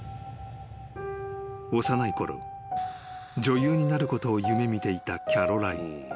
［幼いころ女優になることを夢見ていたキャロライン］